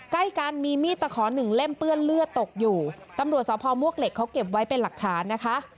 ใกล้กันมีมีดตะขอหนึ่งเล่มเปื้อนเลือดตกอยู่ตำรวจสพมวกเหล็กเขาเก็บไว้เป็นหลักฐานนะคะ